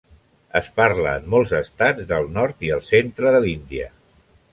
Es parla en molts estats del nord i el centre de l'Índia.